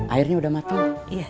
airnya udah matang